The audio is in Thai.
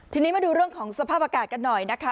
ทีนี้มาดูเรื่องของสภาพอากาศกันหน่อยนะคะ